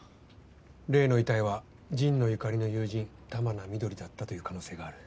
例の遺体は神野由香里の友人玉名翠だったという可能性がある。